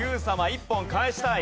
一本返したい。